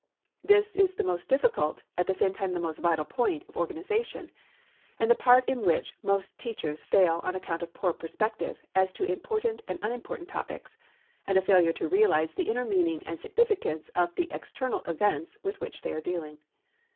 This is the most difficult and at the same time the most vital part of organization and the part in which most teachers fail on account of poor perspective as to important and unimportant topics and a failure to realize the inner meaning and significance of the external events with which they are dealing.